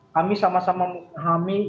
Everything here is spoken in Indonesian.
kami sama sama mengahami